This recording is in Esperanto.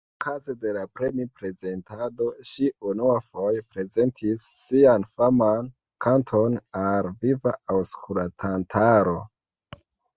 Okaze de la premi-prezentado ŝi unuafoje prezentis sian faman kanton al viva aŭskultantaro.